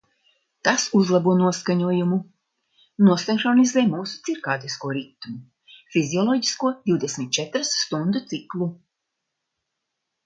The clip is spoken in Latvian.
Tas uzlabo noskaņojumu, nosinhronizē mūsu cirkādisko ritmu – fizioloģisko divdesmit četras stundu ciklu.